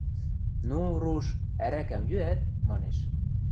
– Ну, руш, ӓрӓкӓм йӱӓт? – манеш.